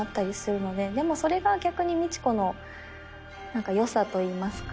でもそれが逆に路子の良さといいますか。